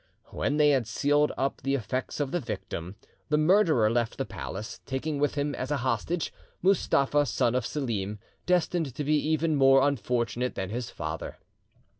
When they had sealed up the effects of the victim, the murderer left the palace, taking with him, as a hostage, Mustapha, son of Selim, destined to be even more unfortunate than his father.